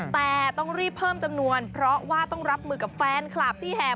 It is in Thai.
แต่ต้องรีบเพิ่มจำนวนเพราะว่าต้องรับมือกับแฟนคลับที่แห่